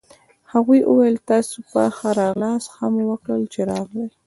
هغوی وویل: تاسي په ښه راغلاست، ښه مو وکړل چي راغلئ.